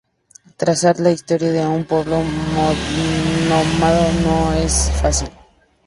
Trazar la historia de un pueblo nómada no es fácil.